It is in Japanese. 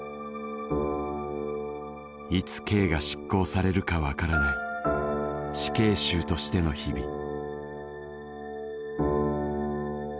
いつ刑が執行されるかわからない死刑囚としての日々。